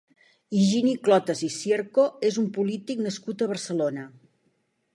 Higini Clotas i Cierco és un polític nascut a Barcelona.